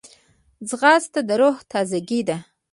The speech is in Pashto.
ځغاسته د روح تازګي ده